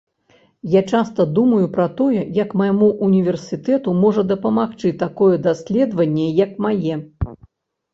Я часта думаю пра тое, як майму універсітэту можа дапамагчы такое даследаванне, як мае.